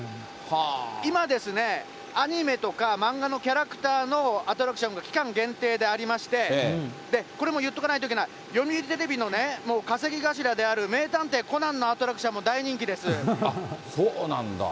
今ですね、アニメとか漫画のキャラクターのアトラクションが期間限定でありまして、これも言っとかないといけない、読売テレビのね、稼ぎ頭である名探偵コナンのアトラクションも大そうなんだ。